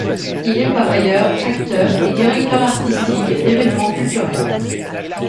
Il est par ailleurs acteur et directeur artistique d'évènements culturels.